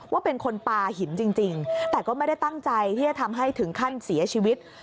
ว่าเป็นคนปลาหินจริงแต่ก็ไม่ได้ตั้งใจที่จะทำให้ถึงขั้นเสียชีวิต